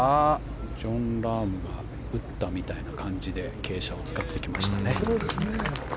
ジョン・ラームが打ったみたいな感じで傾斜を使ってきましたね。